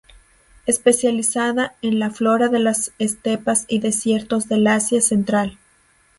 Especializada en la Flora de las estepas y desiertos del Asia Central.